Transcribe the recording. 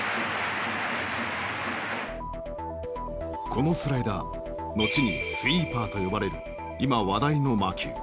このスライダーのちにスイーパーと呼ばれる今話題の魔球。